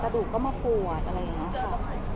ดูก็มาปวดอะไรอย่างนี้ค่ะ